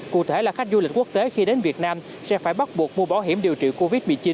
cụ thể là khách du lịch quốc tế khi đến việt nam sẽ phải bắt buộc mua bảo hiểm điều trị covid một mươi chín